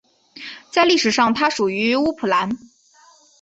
在历史上它属于乌普兰。